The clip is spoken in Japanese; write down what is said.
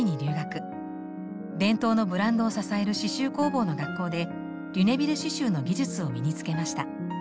伝統のブランドを支える刺しゅう工房の学校でリュネビル刺しゅうの技術を身に付けました。